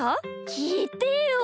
きいてよ！